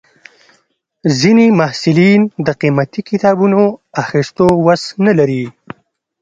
ځینې محصلین د قیمتي کتابونو اخیستو وس نه لري.